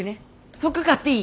服買っていい？